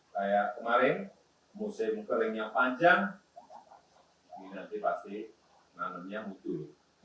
saya kemarin musim keringnya panjang ini nanti pasti nanurnya mudul